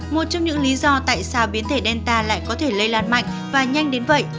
một trong những lý do tại sao biến thể đen ta lại có thể lây lan mạnh và nhanh đến vậy